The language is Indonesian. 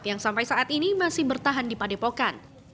yang sampai saat ini masih bertahan di padepokan